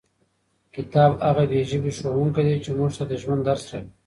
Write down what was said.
کتاب هغه بې ژبې ښوونکی دی چې موږ ته د ژوند درس راکوي.